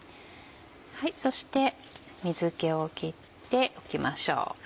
そして水気を切っておきましょう。